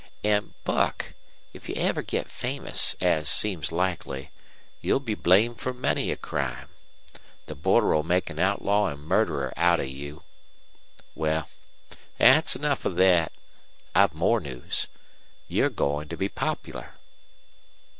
An', Buck, if you ever get famous, as seems likely, you'll be blamed for many a crime. The border'll make an outlaw an' murderer out of you. Wal, thet's enough of thet. I've more news. You're goin' to be popular."